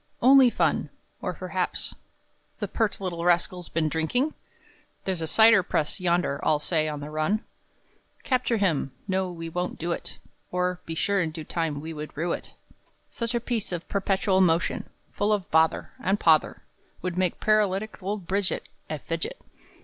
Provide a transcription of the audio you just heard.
Only Fun! or, perhaps, The pert little rascal's been drinking? There's a cider press yonder all say on the run! III. Capture him! no, we won't do it, Or, be sure in due time we would rue it! IV. Such a piece of perpetual motion, Full of bother And pother, Would make paralytic old Bridget A Fidget.